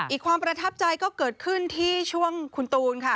ความประทับใจก็เกิดขึ้นที่ช่วงคุณตูนค่ะ